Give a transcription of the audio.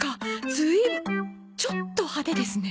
ずいぶんちょっと派手ですね。